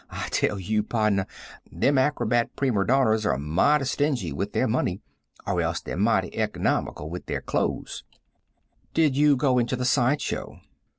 I tell you, pardner, them acrobat prima donnars are mighty stingy with their money, or else they're mighty economical with their cloze." "Did you go into the side show?"